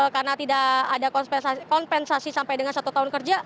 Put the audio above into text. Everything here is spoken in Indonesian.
karena tidak ada kompensasi sampai dengan satu tahun kerja